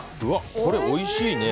これおいしいね。